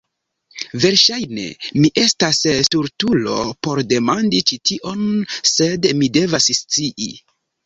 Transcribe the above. Verŝajne mi estas stultulo por demandi ĉi tion sed mi devas scii